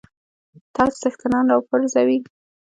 تاج څښتنان را وپرزوي.